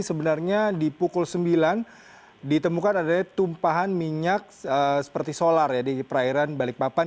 sebenarnya di pukul sembilan ditemukan adanya tumpahan minyak seperti solar di perairan balikpapan